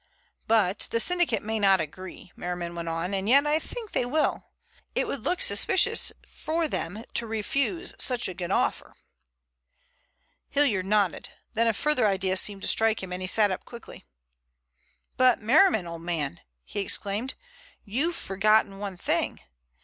"But the syndicate may not agree," Merriman went on. "And yet I think they will. It would look suspicious for them to refuse so good an offer." Hilliard nodded. Then a further idea seemed to strike him and he sat up suddenly. "But, Merriman, old man," he exclaimed, "you've forgotten one thing.